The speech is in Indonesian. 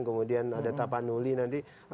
kemudian ada tapanuli nanti